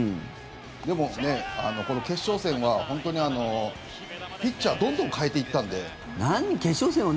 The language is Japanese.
でも、この決勝戦は、ピッチャーどんどん代えていったんで。